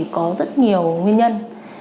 có rất nhiều nguyên nhân